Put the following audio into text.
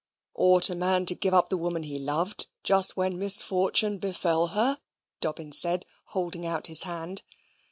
"Ought a man to give up the woman he loved, just when misfortune befell her?" Dobbin said, holding out his hand.